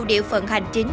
điệu phận hành chính